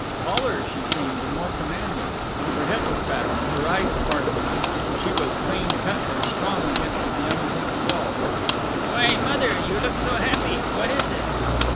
Taller she seemed, and more commanding. Her head was back, her eyes sparkling. She was clean cut and strong against the unkempt walls. "Why, Mother! You look so happy! What is it?"